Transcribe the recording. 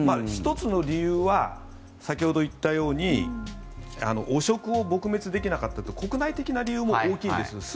１つの理由は先ほど言ったように汚職を撲滅できなかったという国内的な理由も大きいんです。